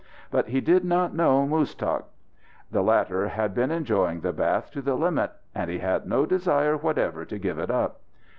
But he did not know Muztagh. The latter had been enjoying the bath to the limit, and he had no desire whatever to give it up.